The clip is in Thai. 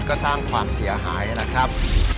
ก็สร้างความเสียหายนะครับ